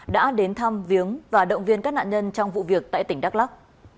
đã đến thăm viếng và động viên các nạn nhân trong vụ việc tại tỉnh đắk lắc